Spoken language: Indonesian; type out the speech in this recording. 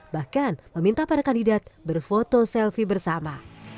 bahkan meminta para kandidat berfoto selfie bersama